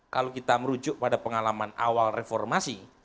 kalau kita merujuk pada pengalaman awal reformasi